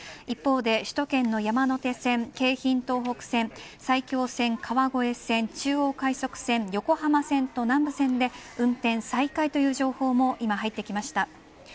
一方で首都圏の山手線京浜東北線、埼京線川越線、中央快速線横浜線と南武線で運転再開という情報も今、入ってきました。